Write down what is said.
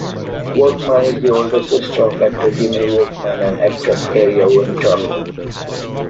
Workman is the older sister of actor Jimmy Workman and actress Ariel Winter.